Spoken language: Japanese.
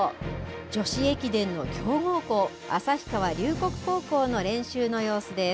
女子駅伝の強豪校、旭川龍谷高校の練習の様子です。